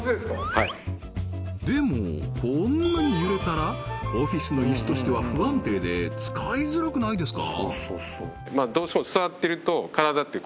はいでもこんなに揺れたらオフィスのイスとしては不安定で使いづらくないですか？